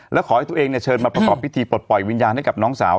แล้วขอให้ตัวเองเชิญมาประกอบพิธีปลดปล่อยวิญญาณให้กับน้องสาว